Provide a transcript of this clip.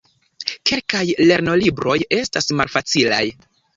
Kelkaj lernolibroj estas malfacilaj.